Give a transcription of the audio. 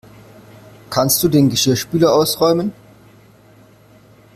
Kannst du den Geschirrspüler ausräumen?